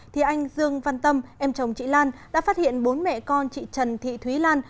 thì anh dương văn tâm em chồng chị lan đã phát hiện bốn mẹ con chị trần thị thúy lan